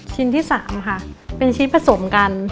ชิ้นที่๓ค่ะเป็นชิ้นผสมกัน